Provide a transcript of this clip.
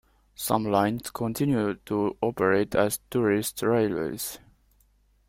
Some lines continue to operate as tourist railways.